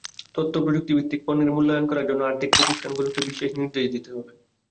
তথ্যপ্রযুক্তিভিত্তিক পণ্যের মূল্যায়ন করার জন্য আর্থিক প্রতিষ্ঠানগুলোকে বিশেষ নির্দেশ দিতে হবে।